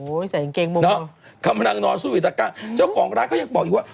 โอ้ยใส่อังเกงบนน้องกำลังนอนสู้วิทยาลักษณะเจ้าของร้านเขายังบอกอยู่ว่า